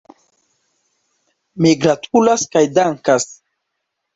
Mi gratulas kaj dankas.